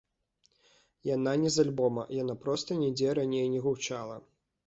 Яна не з альбома, яна проста нідзе раней не гучала.